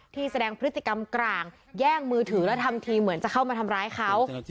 แสดงพฤติกรรมกลางแย่งมือถือแล้วทำทีเหมือนจะเข้ามาทำร้ายเขา